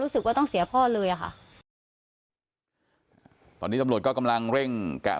รู้สึกว่าต้องเสียพ่อเลยอ่ะค่ะตอนนี้ตำรวจก็กำลังเร่งแกะ